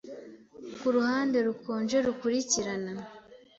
Kuruhande rukonje rukurikirana